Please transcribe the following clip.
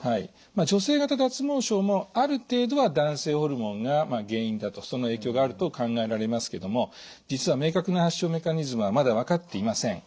女性型脱毛症もある程度は男性ホルモンが原因だとその影響があると考えられますけども実は明確な発症メカニズムはまだ分かっていません。